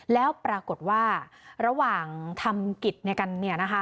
แล้วปรากฏว่าระหว่างทำกิจกันเนี่ยนะคะ